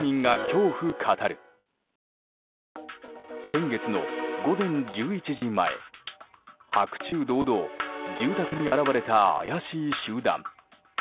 先月の午前１１時前白昼堂々住宅に現れた怪しい集団。